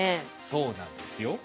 そうなんですよ。